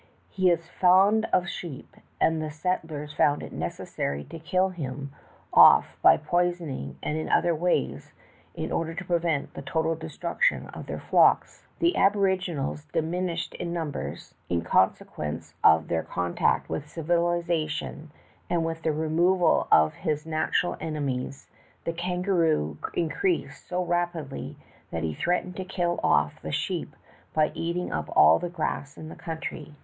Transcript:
He is fond of sheep, and the set tlers found it necessary to kill him off by poison and in other ways, in order to prevent the total destruction of their flocks. The aboriginals diminished in numbers, in consequence of their contact with civilization, and with the removal of his natural enemies, the kangaroo increased so rapidly that he threatened to kill off the sheep by eating up all the grass in the country.